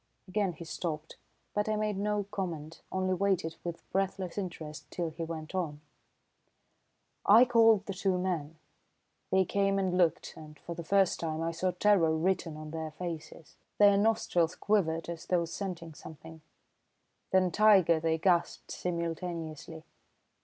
Again he stopped, but I made no comment, only waited with breathless interest till he went on. "I called the two men. They came and looked, and for the first time I saw terror written on their faces. Their nostrils quivered as though scenting something; then 'Tiger!' they gasped simultaneously.